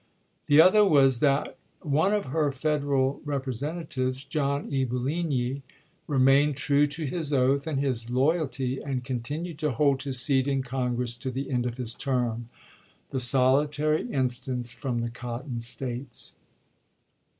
The other was that one of her Fed eral Representatives, John E. Bonligny, remained true to his oath and his loyalty, and continued to hold his seat in Congress to the end of his term — the solitary instance from the Cotton States.